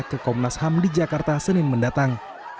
ke komnas ham di jakarta senin mendatang